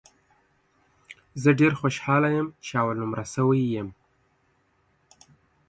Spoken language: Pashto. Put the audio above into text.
زه ډېر خوشاله یم ، چې اول نمره سوی یم